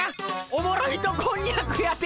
おもろ糸こんにゃくやて！